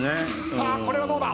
さあこれはどうだ？